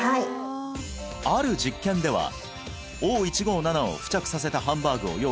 ある実験ではＯ−１５７を付着させたハンバーグを用意し